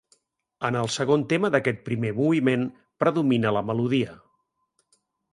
En el segon tema d'aquest primer moviment predomina la melodia.